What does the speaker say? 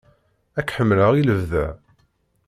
Ad k-ḥemmleɣ i lebda.